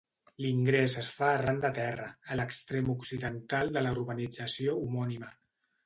L'ingrés es fa arran de terra, a l'extrem occidental de la urbanització homònima.